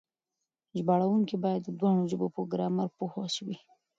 ژباړونکي بايد د دواړو ژبو په ګرامر پوه وي.